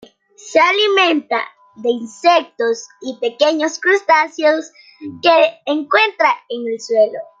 Se alimenta de insectos y pequeños crustáceos que encuentra en el suelo.